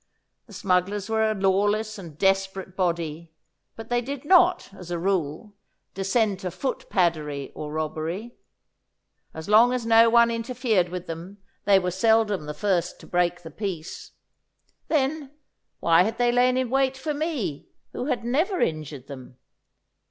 The smugglers were a lawless and desperate body, but they did not, as a rule, descend to foot paddery or robbery. As long as no one interfered with them they were seldom the first to break the peace. Then, why had they lain in wait for me, who had never injured them?